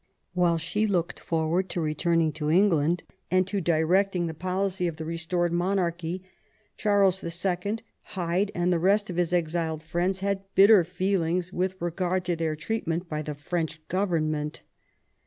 While she looked 166 MAZARIN chap. forward to returning to England and to directing the policy of the restored monarchy, Charles II., Hyde, and the rest of his exiled friends held bitter feelings with regard to their treatment by the French government.